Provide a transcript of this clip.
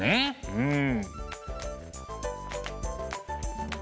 うん。